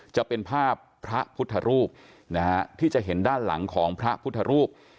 จะเป็นภาพพระพุทธรูปนะฮะที่จะเห็นด้านหลังของพระพุทธรูป